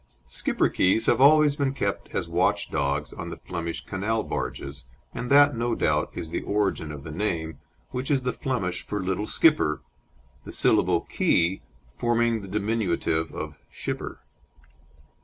Schipperkes have always been kept as watch dogs on the Flemish canal barges, and that, no doubt, is the origin of the name, which is the Flemish for "Little Skipper," the syllable "ke" forming the diminutive of "schipper."